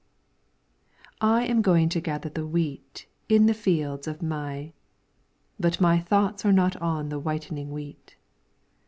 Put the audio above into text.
I AM going to gather the wheat In the fields of Mei. But my thoughts are not on the whitening wheat.